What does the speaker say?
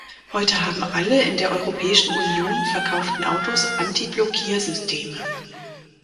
Heute haben alle in der Europäischen Union verkauften Autos Antiblockiersysteme.